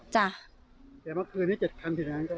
ใช่ค่ะแต่เมื่อคืนนี้เจ็ดคันที่นั้น